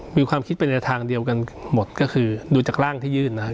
มีความคิดไปในทางเดียวกันหมดก็คือดูจากร่างที่ยื่นนะครับ